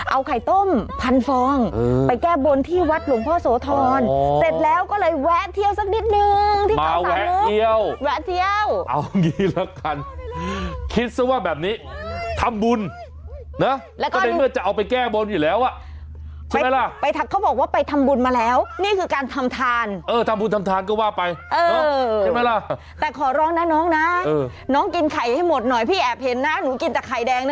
เอาไข่ต้มพันฟองไปแก้บนที่วัดหลวงพ่อโสธรเสร็จแล้วก็เลยแวะเที่ยวสักนิดนึงมาแวะเที่ยวแวะเที่ยวเอางี้ละกันคิดซะว่าแบบนี้ทำบุญก็ได้เมื่อจะเอาไปแก้บนอยู่แล้วอ่ะใช่ไหมล่ะเขาบอกว่าไปทำบุญมาแล้วนี่คือการทำทานเออทำบุญทำทานก็ว่าไปเออใช่ไหมล่ะแต่ขอร้อง